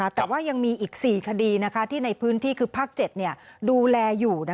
แต่ว่ายังมีอีก๔คดีที่ในพื้นที่คือภาค๗ดูแลอยู่